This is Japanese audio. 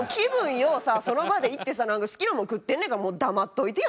良うさその場で行ってさ好きなもの食ってんねんからもう黙っといてよ。